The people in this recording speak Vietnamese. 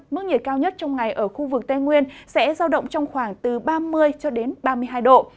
mức nhiệt cao nhất trong ngày ở khu vực tây nguyên sẽ giao động trong khoảng từ ba mươi cho đến ba mươi hai độ